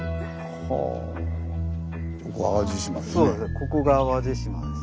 ここ淡路島ですね。